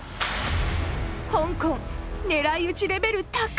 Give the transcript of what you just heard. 香港狙い打ちレベル高っ！